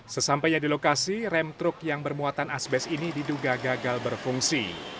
sesampainya di lokasi rem truk yang bermuatan asbes ini diduga gagal berfungsi